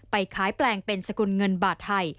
ไปขายแปลงเป็นสกุลเงินบาทไทย